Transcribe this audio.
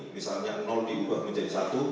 misalnya diubah menjadi satu